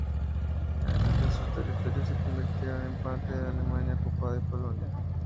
En adelante sus territorios se convirtieron en parte de la Alemania ocupada y Polonia.